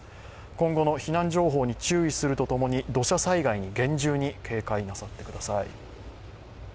今後の避難情報に注意するとともに土砂災害に厳重に警戒なさってください。